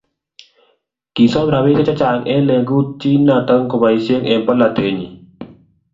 Kisom rabisiek chechang eng lengut chi notok koboisie eng polatet nyin